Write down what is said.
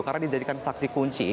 karena dijadikan saksi kunci